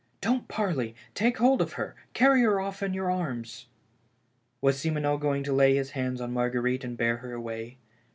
" Don't parley — take hold of her — carry her off in your arms." Was Simoneau going to lay his hands on Marguerite and bear her away